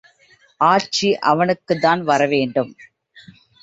ஆட்சி அவனுக்குத் தான் வரவேண்டும்.